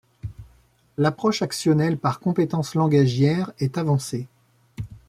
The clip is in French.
L'approche actionnelle par compétences langagières est avancée.